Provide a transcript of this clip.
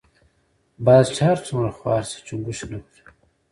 باز چی هر څومره خوار شی چونګښی نه خوري .